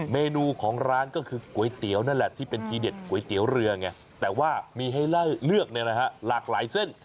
เมนูของร้านก็คือก๋วยเตี๋ยวนั่นแหละที่เป็นทีเด็ดก๋วยเตี๋ยวเรือไงแต่ว่ามีให้เลือกหลากหลายเส้น